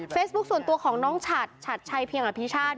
ส่วนตัวของน้องฉัดฉัดชัยเพียงอภิชาติ